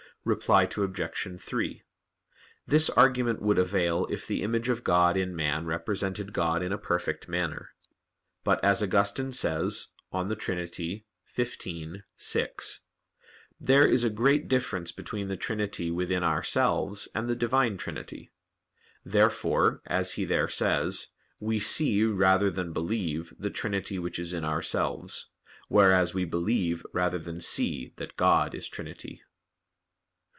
Reply Obj. 3: This argument would avail if the image of God in man represented God in a perfect manner. But, as Augustine says (De Trin. xv, 6), there is a great difference between the trinity within ourselves and the Divine Trinity. Therefore, as he there says: "We see, rather than believe, the trinity which is in ourselves; whereas we believe rather than see that God is Trinity."